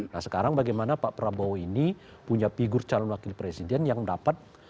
nah sekarang bagaimana pak prabowo ini punya figur calon wakil presiden yang dapat